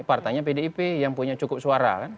partainya pdip yang punya cukup suara